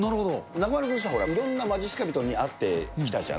中丸君さ、いろんなまじっすか人に会ってきたじゃん。